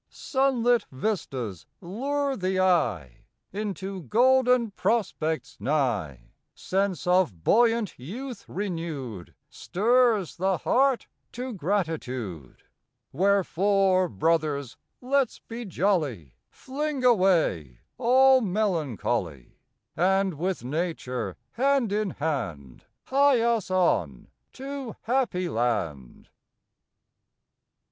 Sunlit vistas lure the eye Into golden prospects nigh. Sense of buoyant youth renewed Stirs the heart to gratitude. Wherefore, Brothers, let s be jolly! Fling away all melancholy, And with Nature, hand in hand* Hie us on to Happyland!